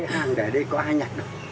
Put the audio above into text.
hàng đẻ ở đây có ai nhặt được